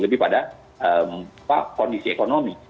lebih pada kondisi ekonomi